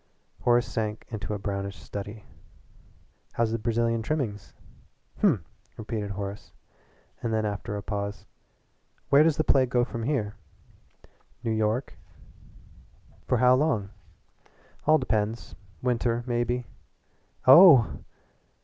Horace sank into a brownish study. "How's the Brazilian trimmings?" "Hm!" repeated Horace, and then after a pause: "Where does the play go from here?" "New York." "For how long?" "All depends. Winter maybe." "Oh!"